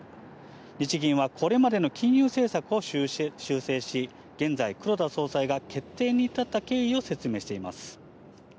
日銀はこれまでの金融政策を修正し、現在、黒田総裁が決定に至った経緯を説明しています。